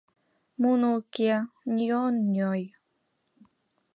Муно уке, ньоньой...